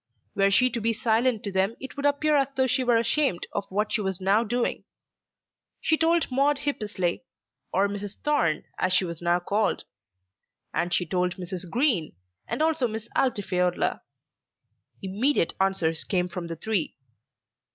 Were she to be silent to them it would appear as though she were ashamed of what she was now doing. She told Maude Hippesley, or Mrs. Thorne as she was now called; and she told Mrs. Green, and also Miss Altifiorla. Immediate answers came from the three.